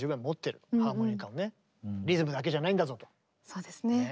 そうですね。